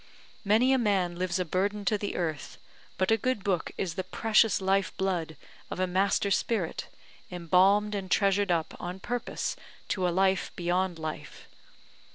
Many a man lives a burden to the earth; but a good book is the precious life blood of a master spirit, embalmed and treasured up on purpose to a life beyond life.